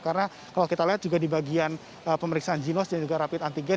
karena kalau kita lihat juga di bagian pemeriksaan jinos dan juga rapid antigen